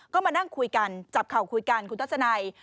ก็มานั่งคุยกันจับเข่าคุยกันคุณทัศนัย